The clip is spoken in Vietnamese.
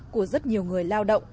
của rất nhiều người lao động